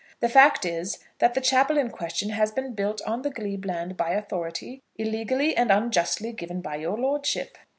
The fact is, that the chapel in question has been built on the glebe land by authority illegally and unjustly given by your lordship.